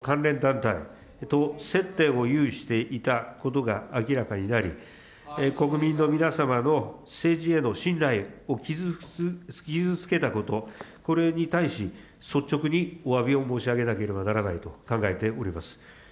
社会的に問題が指摘をされているこの旧統一教会、そしてその関連団体と接点を有していたことが明らかになり、国民の皆様の政治への信頼を傷つけたこと、これに対し、率直におわびを申し上げなければならないと考えております。